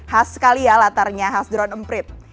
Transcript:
khas sekali ya latarnya khas drone emprit